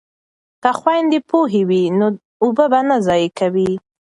که خویندې پوهې وي نو اوبه به نه ضایع کوي.